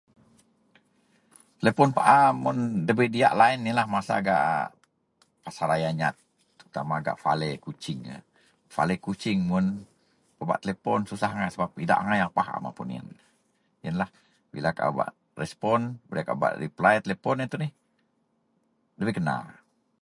Telepon paa mun debei diyak laen, yenlah masa gak pasaraya nyat. Terutama gak Farley Kuching yen. Farley Kuching mun pebak telepon susah angai sebap idak angai apah a mapun yen. Yenlah bila kaau bak respon, bila kaau bak reply telepon yen tuneh debei kena.